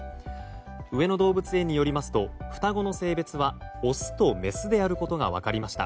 上野動物園によりますと双子の性別はオスとメスであることが分かりました。